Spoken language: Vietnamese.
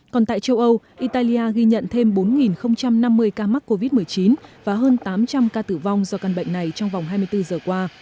còn tại châu âu italia ghi nhận thêm bốn năm mươi ca mắc covid một mươi chín và hơn tám trăm linh ca tử vong do căn bệnh này trong vòng hai mươi bốn giờ qua